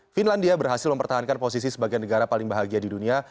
finlandia berhasil mempertahankan posisi sebagai negara paling bahagia di dunia